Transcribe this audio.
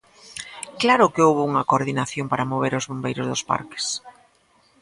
Claro que houbo unha coordinación para mover os bombeiros dos parques.